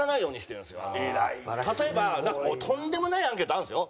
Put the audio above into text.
例えばとんでもないアンケートあるんですよ。